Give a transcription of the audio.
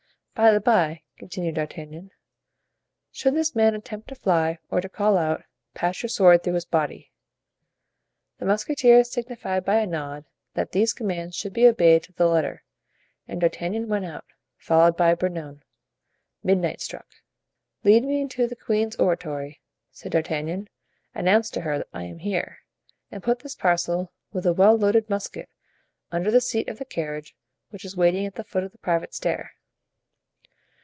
"By the bye," continued D'Artagnan, "should this man attempt to fly or to call out, pass your sword through his body." The musketeer signified by a nod that these commands should be obeyed to the letter, and D'Artagnan went out, followed by Bernouin. Midnight struck. "Lead me into the queen's oratory," said D'Artagnan, "announce to her I am here, and put this parcel, with a well loaded musket, under the seat of the carriage which is waiting at the foot of the private stair."